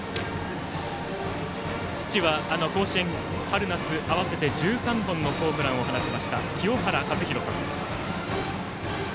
父は、あの甲子園春夏合わせて１３本のホームランを放った清原和博さんです。